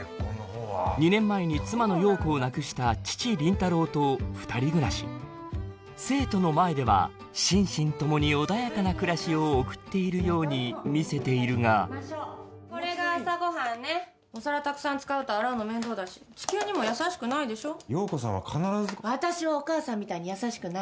２年前に妻の陽子を亡くした父林太郎と二人暮らし生徒の前では心身ともに穏やかな暮らしを送っているように見せているがこれが朝ご飯ねお皿たくさん使うと洗うの面倒だし地球にも優しくないでしょ